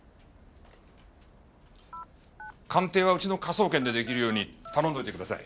鑑定はうちの科捜研で出来るように頼んでおいてください。